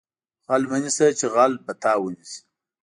غل مه نیسه چې غل به تا ونیسي